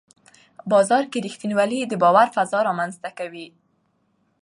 بازار کې رښتینولي د باور فضا رامنځته کوي